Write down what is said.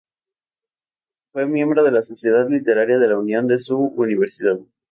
Fue miembro de la Sociedad Literaria de la Unión de su universidad.